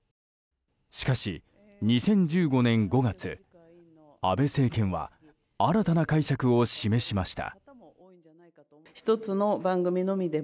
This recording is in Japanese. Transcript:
しかし、２０１５年５月安倍政権は新たな解釈を示しました。